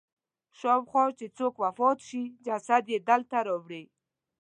شاوخوا چې څوک وفات شي جسد یې دلته راوړي.